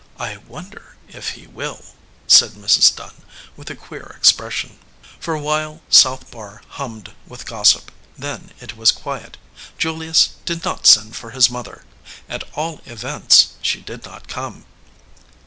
"I wonder if he will," said Mrs. Dunn, with a queer expression. For a while South Barr hummed with gossip. Then it was quiet. Julius did not send for his mother. At all events, she did not come.